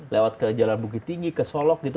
lewat ke jalan bukit tinggi ke solok gitu